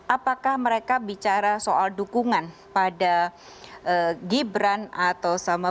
apakah mereka bicara soal dukungan pada gibran atau sama